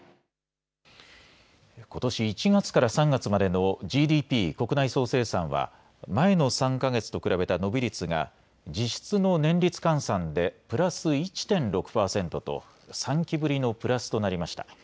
ことし１月から３月までのＧＤＰ・国内総生産は前の３か月と比べた伸び率が実質の年率換算でプラス１．６％と３期ぶりのプラスとなりました。